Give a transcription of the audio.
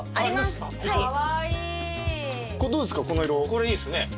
これいいっすね。